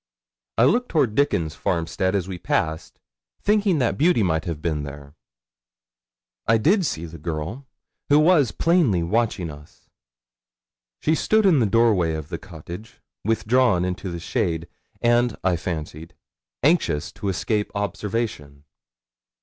I looked toward Dickon's farmstead as we passed, thinking that Beauty might have been there. I did see the girl, who was plainly watching us. She stood in the doorway of the cottage, withdrawn into the shade, and, I fancied, anxious to escape observation.